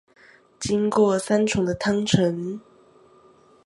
經過三重的湯城